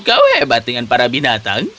kau hebat dengan para binatang